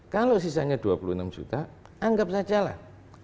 kalau sisanya dua puluh enam juta anggap sajalah